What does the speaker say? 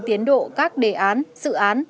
tiến độ các đề án dự án